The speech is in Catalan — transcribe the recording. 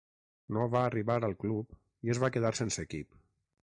No va arribar al club i es va quedar sense equip.